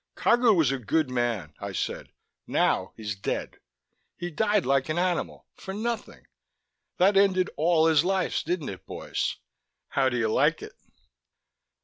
"Cagu was a good man," I said. "Now he's dead. He died like an animal ... for nothing. That ended all his lives, didn't it, boys? How do you like it?"